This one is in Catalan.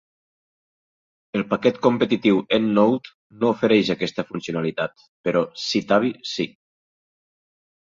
El paquet competitiu EndNote no ofereix aquesta funcionalitat, però Citavi sí.